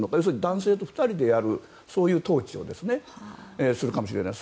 男性と２人でやるそういう統治をするかもしれない。